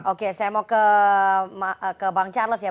oke saya mau ke bang charles ya